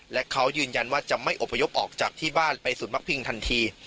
และเขายืนยันว่าจะไม่อบพยพออกจากที่บ้านไปศูนย์พักพิงทันที